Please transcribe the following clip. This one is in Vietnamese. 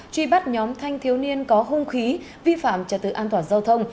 truy bắt nhóm thanh thiếu niên có hung khí vi phạm trật tự an toàn giao thông